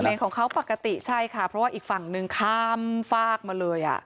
เลนส์ของเขาปกติใช่ค่ะเพราะว่าอีกฝั่งหนึ่งข้ามฟากมาเลย